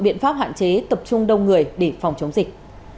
biện pháp hạn chế tập trung đông người để phòng chống dịch